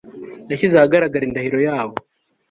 nashyize ahagaragara indahiro yabo